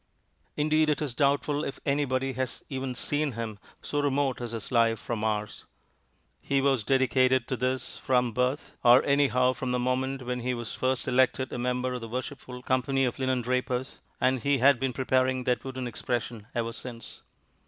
Indeed, it is doubtful if anybody has even seen him, so remote is his life from ours. He was dedicated to this from birth, or anyhow from the moment when he was first elected a member of the Worshipful Company of Linendrapers, and he has been preparing that wooden expression ever since.